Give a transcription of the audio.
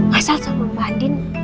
masalah sama mbak andin